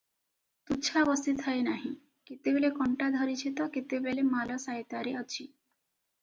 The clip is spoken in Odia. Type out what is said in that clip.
ତୁଛା ବସି ଥାଏ ନାହିଁ, କେତେବେଳେ କଣ୍ଟା ଧରିଛି ତ, କେତେବେଳେ ମାଲ ସାଇତାରେ ଅଛି ।